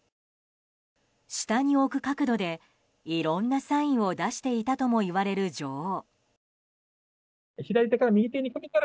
下に置く角度でいろんなサインを出していたともいわれる女王。